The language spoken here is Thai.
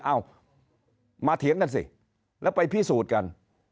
เอามาเถียงกันสิแล้วไปพิสูจน์กัน